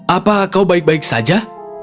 apa kau baik baik saja